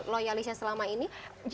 loyalisnya selama ini